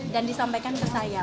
dan disampaikan ke saya